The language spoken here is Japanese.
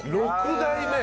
６代目！